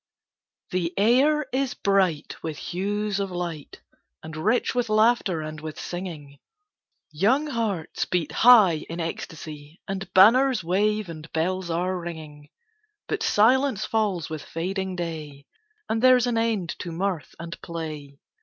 THE air is bright with hues of light And rich with laughter and with singing: Young hearts beat high in ecstasy, And banners wave, and bells are ringing: But silence falls with fading day, And there's an end to mirth and play.